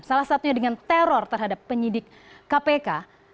salah satunya dengan teror terhadap penyidik kpk